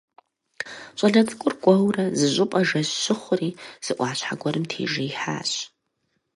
ЩӀалэ цӀыкӀур кӀуэурэ, зыщӀыпӀэ жэщ щыхъури, зы Ӏуащхьэ гуэрым тежеихьащ.